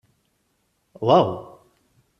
Waw!